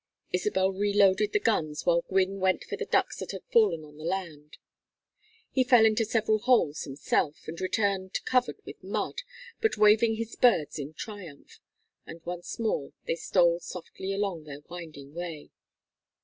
Isabel reloaded the guns while Gwynne went for the ducks that had fallen on the land. He fell into several holes himself, and returned covered with mud, but waving his birds in triumph; and once more they stole softly along their winding way.